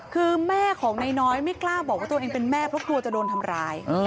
คือแม่ของนายน้อยไม่กล้าบอกว่าตัวเองเป็นแม่เพราะกลัวจะโดนทำร้าย